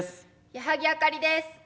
矢作あかりです。